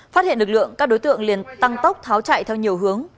phát hiện lực lượng các đối tượng liền tăng tốc tháo chạy theo nhiều hướng